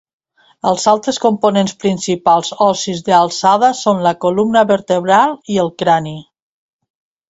Els altres components principals ossis de l'alçada són la columna vertebral i el crani.